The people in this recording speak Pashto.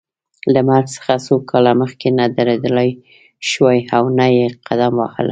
له مرګ څخه څو کاله مخکې نه درېدلای شوای او نه یې قدم وهلای.